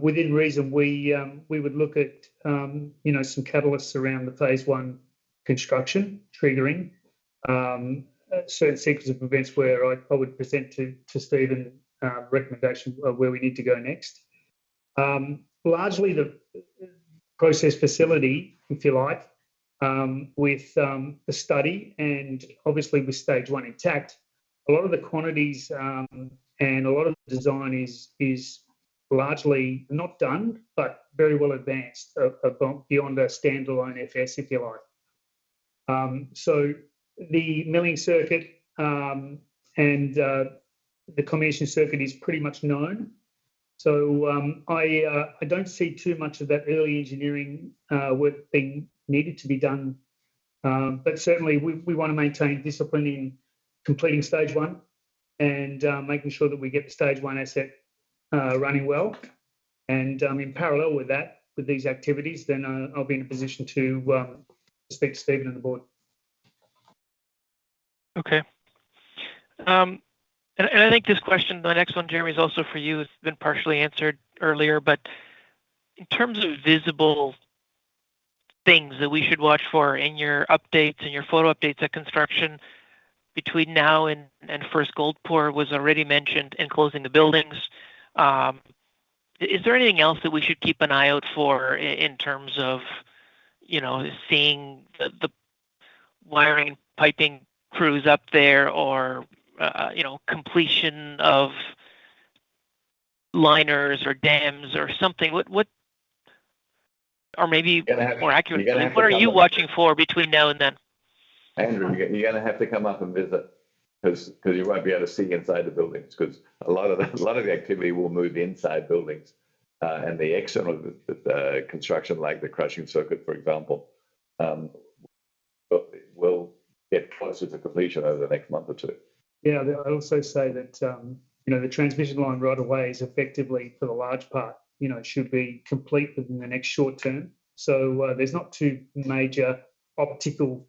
within reason, we would look at you know some catalysts around the phase I construction, triggering a certain sequence of events where I would present to Steven recommendation of where we need to go next. Largely, the process facility, if you like, with the study and obviously with stage 1 intact, a lot of the quantities and a lot of the design is largely not done, but very well advanced beyond a standalone FS, if you like. So the milling circuit and the elution circuit is pretty much known. So I don't see too much of that early engineering work being needed to be done. But certainly, we wanna maintain discipline in completing stage 1 and making sure that we get the stage one asset running well. In parallel with that, with these activities, then I'll be in a position to speak to Steven and the board. Okay. And I think this question, my next one, Jeremy, is also for you. It's been partially answered earlier, but in terms of visible things that we should watch for in your updates, in your photo updates of construction between now and first gold pour was already mentioned, and closing the buildings, is there anything else that we should keep an eye out for in terms of, you know, seeing the wiring, piping crews up there or, you know, completion of liners or dams or something? What... Or maybe more accurate, what are you watching for between now and then? Andrew, you're gonna have to come up and visit, 'cause you won't be able to see inside the buildings, 'cause a lot of the activity will move inside buildings. And the external construction, like the crushing circuit, for example, will get closer to completion over the next month or two. Yeah, I'd also say that, you know, the transmission line right away is effectively, for the large part, you know, should be complete within the next short term. So, there's not two major optical,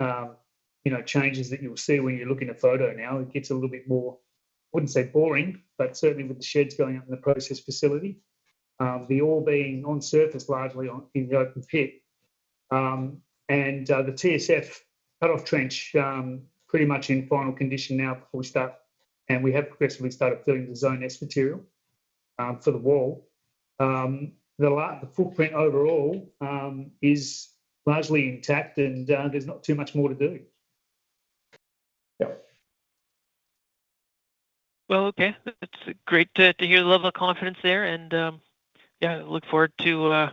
you know, changes that you'll see when you look in a photo now. It gets a little bit more, I wouldn't say boring, but certainly with the sheds going up in the process facility, the ore being on surface, largely in the open pit. And the TSF cut-off trench pretty much in final condition now before we start, and we have progressively started filling the Zone S material for the wall. The footprint overall is largely intact and there's not too much more to do. Yep. Well, okay. It's great to hear the level of confidence there, and yeah, I look forward to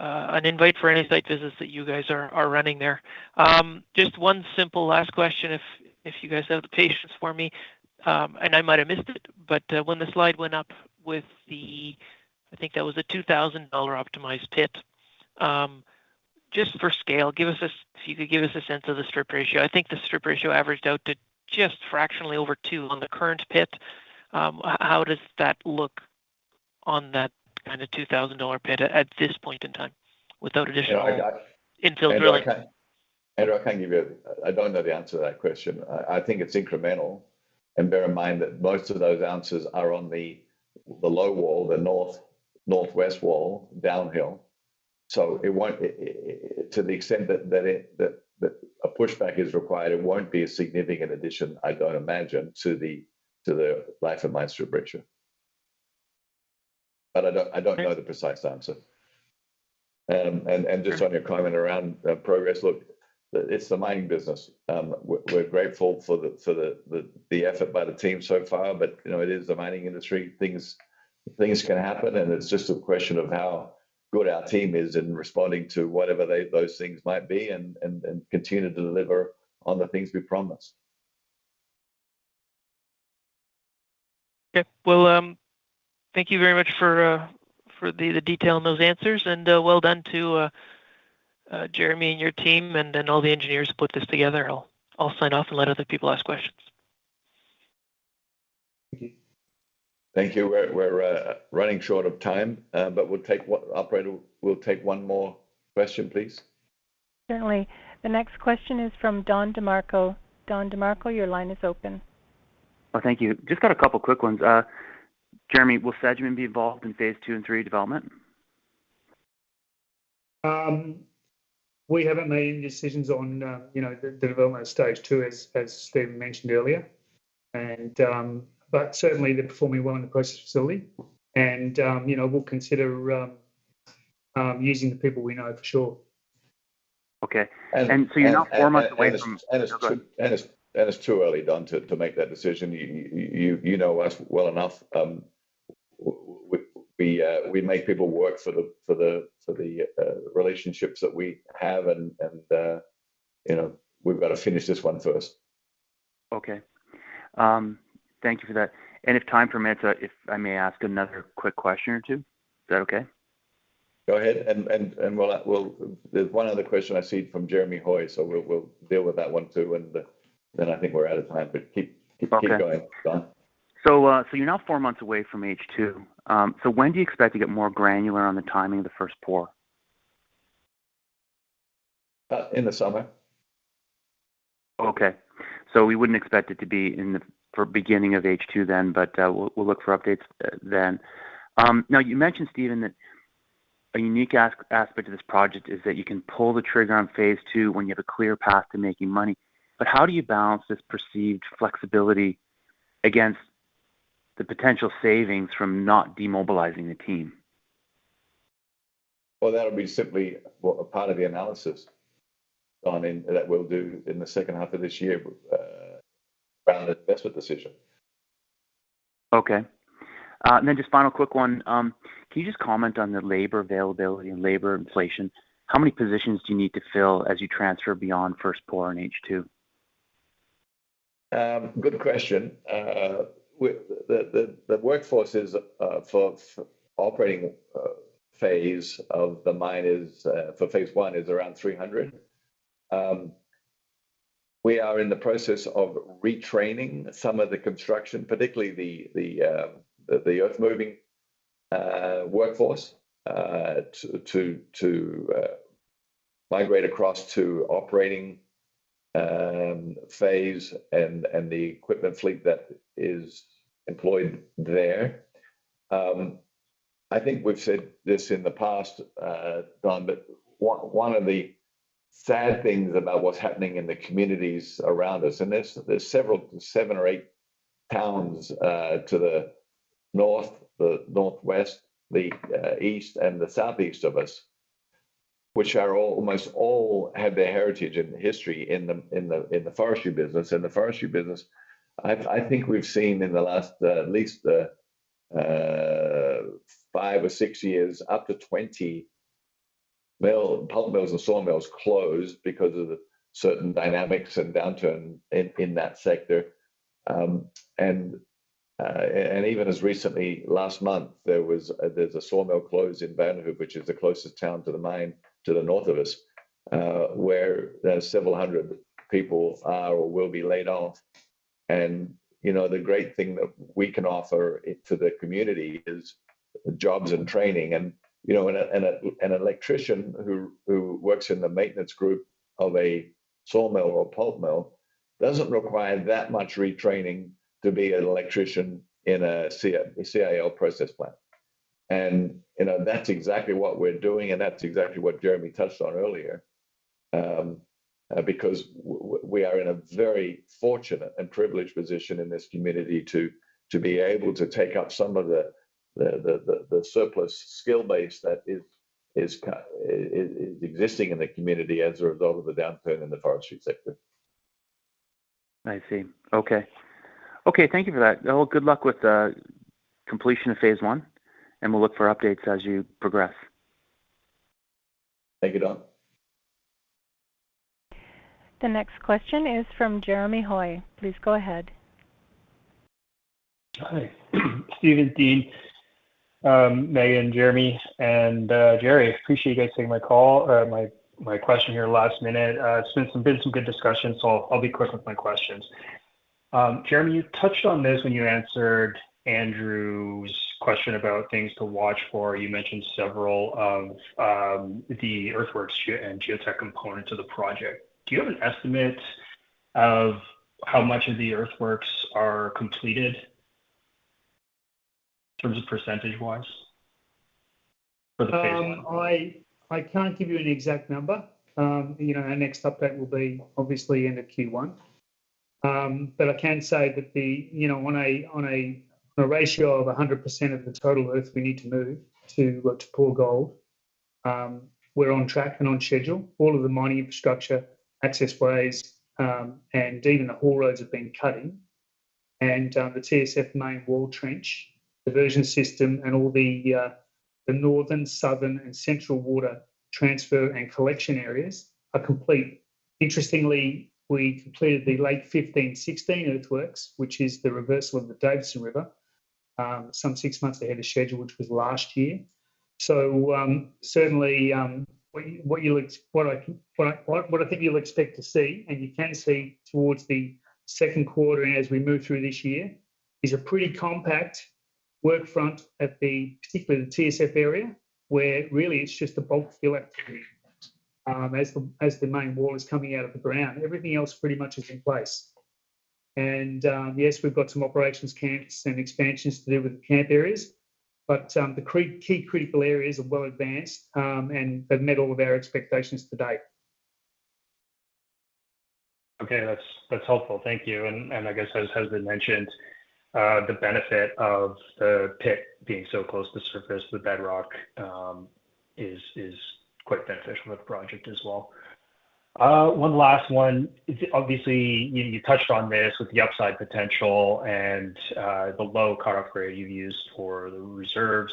an invite for any site visits that you guys are running there. Just one simple last question, if you guys have the patience for me, and I might have missed it, but when the slide went up with the... I think that was a $2,000 optimized pit. Just for scale, if you could give us a sense of the strip ratio. I think the strip ratio averaged out to just fractionally over two on the current pit. How does that look on that kind of $2,000 pit at this point in time, without additional- Yeah, I-... in field drilling? Andrew, I can give you... I don't know the answer to that question. I think it's incremental, and bear in mind that most of those answers are on the low wall, the northwest wall, downhill. So it won't, to the extent that a pushback is required, it won't be a significant addition, I don't imagine, to the life of mine strip ratio. But I don't know the precise answer. And just on your comment around progress, look, it's the mining business. We're grateful for the effort by the team so far, but, you know, it is the mining industry. Things can happen, and it's just a question of how good our team is in responding to whatever those things might be, and continue to deliver on the things we promised. Okay. Well, thank you very much for the detail on those answers. Well done to Jeremy and your team, and then all the engineers who put this together. I'll sign off and let other people ask questions. Thank you. Thank you. We're running short of time, but we'll take one... Operator, we'll take one more question, please. Certainly. The next question is from Don DeMarco. Don DeMarco, your line is open. Well, thank you. Just got a couple quick ones. Jeremy, will Sedgman be involved in phase II and III development?... We haven't made any decisions on, you know, the development of stage 2, as Steven mentioned earlier. But certainly they're performing well in the process facility, and, you know, we'll consider using the people we know for sure. Okay. And so you're now four months away from- It's too early, Don, to make that decision. You know us well enough. We make people work for the relationships that we have, and you know, we've got to finish this one first. Okay. Thank you for that. And if time permits, if I may ask another quick question or two, is that okay? Go ahead and we'll, there's one other question I see from Jeremy Hoy, so we'll deal with that one, too, and then I think we're out of time, but keep going, Don. Okay. So, you're now four months away from H2. So when do you expect to get more granular on the timing of the first pour? In the summer. Okay. So we wouldn't expect it to be in the for beginning of H2 then, but we'll look for updates then. Now, you mentioned, Steven, that a unique aspect of this project is that you can pull the trigger on phase II when you have a clear path to making money. But how do you balance this perceived flexibility against the potential savings from not demobilizing the team? Well, that'll be simply, well, a part of the analysis, I mean, that we'll do in the second half of this year, around the investment decision. Okay. And then just final quick one. Can you just comment on the labor availability and labor inflation? How many positions do you need to fill as you transfer beyond first pour in H2? Good question. The workforce is for operating phase of the mine for phase I is around 300. We are in the process of retraining some of the construction, particularly the earthmoving workforce to migrate across to operating phase and the equipment fleet that is employed there. I think we've said this in the past, Don, but one of the sad things about what's happening in the communities around us, and there's several, seven or eight towns to the north, the northwest, the east and the southeast of us, which are all, almost all have their heritage and history in the forestry business. The forestry business, I think we've seen in the last, at least, five or six years, up to 20 mills, pulp mills and sawmills close because of the certain dynamics and downturn in that sector. And even as recently last month, there was, there's a sawmill close in Vanderhoof, which is the closest town to the mine, to the north of us, where there are several hundred people are or will be laid off. And, you know, the great thing that we can offer it to the community is jobs and training. And, you know, and an electrician who works in the maintenance group of a sawmill or pulp mill doesn't require that much retraining to be an electrician in a CIL process plant. You know, that's exactly what we're doing, and that's exactly what Jeremy touched on earlier. Because we are in a very fortunate and privileged position in this community to be able to take up some of the surplus skill base that is existing in the community as a result of the downturn in the forestry sector. I see. Okay. Okay, thank you for that. Well, good luck with the completion of phase I, and we'll look for updates as you progress. Thank you, Don. The next question is from Jeremy Hoy. Please go ahead. Hi, Steven Dean, Megan, Jeremy, and Gerrie. I appreciate you guys taking my call, my question here last minute. It's been some good discussions, so I'll be quick with my questions. Jeremy, you touched on this when you answered Andrew's question about things to watch for. You mentioned several of the earthworks geo- and geotech components of the project. Do you have an estimate of how much of the earthworks are completed in terms of percentage-wise for the phase I? I can't give you an exact number. You know, our next update will be obviously end of Q1. But I can say that the, you know, on a ratio of 100% of the total earth we need to move to pour gold. We're on track and on schedule. All of the mining infrastructure, access ways, and even the haul roads have been cut in. The TSF main wall trench, diversion system, and all the northern, southern, and central water transfer and collection areas are complete. Interestingly, we completed the late 2015-2016 earthworks, which is the reversal of the Davidson Creek, some six months ahead of schedule, which was last year. So, certainly, what I think you'll expect to see, and you can see towards the second quarter and as we move through this year, is a pretty compact work front, particularly at the TSF area, where really it's just the bulk fill activity, as the main wall is coming out of the ground. Everything else pretty much is in place. Yes, we've got some operations camps and expansions to do with the camp areas, but the key critical areas are well advanced, and have met all of our expectations to date. Okay, that's, that's helpful. Thank you. And, and I guess, as has been mentioned, the benefit of the pit being so close to the surface, the bedrock, is, is quite beneficial to the project as well. One last one. Obviously, you, you touched on this with the upside potential and, the low cut-off grade you've used for the reserves.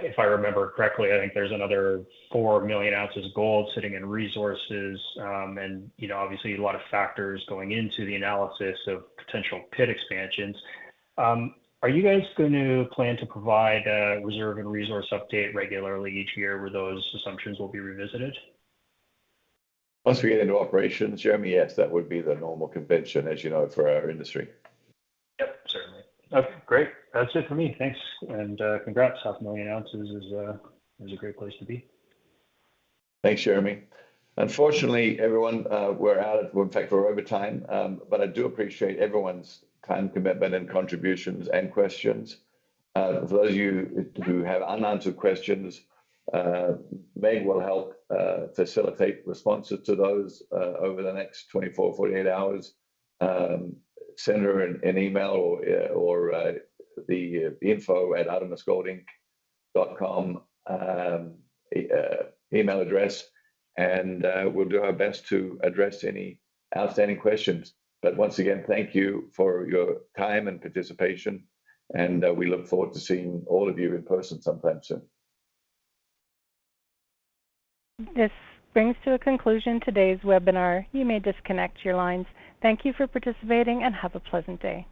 If I remember correctly, I think there's another 4 million ounces of gold sitting in resources. And, you know, obviously a lot of factors going into the analysis of potential pit expansions. Are you guys going to plan to provide a reserve and resource update regularly each year, where those assumptions will be revisited? Once we get into operations, Jeremy, yes, that would be the normal convention, as you know, for our industry. Yep, certainly. Okay, great. That's it for me. Thanks, and congrats. 500,000 ounces is a great place to be. Thanks, Jeremy. Unfortunately, everyone, we're out of... In fact, we're over time. But I do appreciate everyone's time, commitment, and contributions and questions. For those of you who have unanswered questions, Meg will help facilitate responses to those over the next 24-48 hours. Send her an email or the info@artemisgoldinc.com email address, and we'll do our best to address any outstanding questions. But once again, thank you for your time and participation, and we look forward to seeing all of you in person sometime soon. This brings to a conclusion today's webinar. You may disconnect your lines. Thank you for participating, and have a pleasant day.